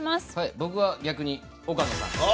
僕は逆に、岡野さん。